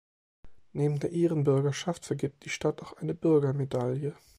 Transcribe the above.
Neben der Ehrenbürgerschaft vergibt die Stadt auch eine Bürgermedaille.